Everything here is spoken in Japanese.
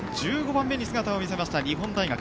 １５番目に姿を見せました日本大学。